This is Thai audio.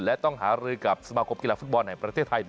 และต้องหารือกับสมาคมกีฬาฟุตบอลแห่งประเทศไทย